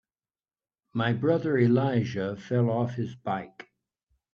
My brother Elijah fell off his bike.